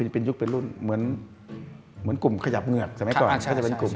จะเป็นยุคเป็นรุ่นเหมือนกลุ่มขยับเหงือกสมัยก่อนเขาจะเป็นกลุ่ม